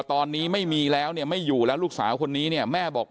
ตอนนี้ไม่มีแล้วเนี่ยไม่อยู่แล้วลูกสาวคนนี้เนี่ยแม่บอก